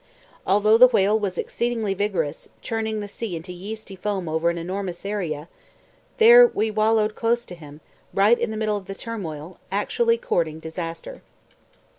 Although the whale was exceedingly vigorous, churning the sea into yeasty foam over an enormous area, there we wallowed close to him, right in the middle of the turmoil, actually courting disaster.